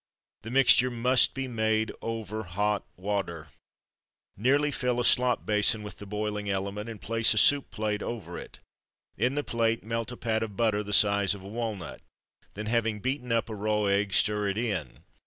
The mixture must be made over hot water. Nearly fill a slop basin with the boiling element, and place a soup plate over it. In the plate melt a pat of butter the size of a walnut. Then having beaten up a raw egg, stir it in.